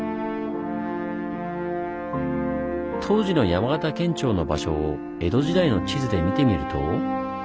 当時の山形県庁の場所を江戸時代の地図で見てみると。